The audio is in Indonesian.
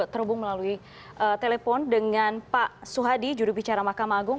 terabung melalui telepon dengan pak suhadi juru bicara mahkamah agung